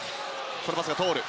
このパスが通る。